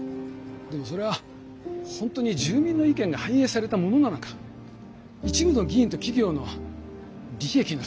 でもそれは本当に住民の意見が反映されたものなのか一部の議員と企業の利益のためになってないか。